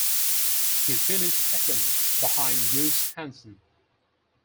He finished second behind Gus Hansen.